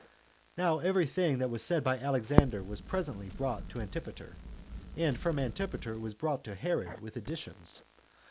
Now every thing that was said by Alexander was presently brought to Antipater, and from Antipater it was brought to Herod with additions.